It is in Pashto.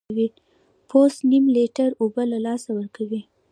پوست نیم لیټر اوبه له لاسه ورکوي.